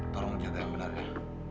tolong cerita yang benarnya